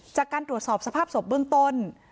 จากการตรวจสอบสภาพศพต้น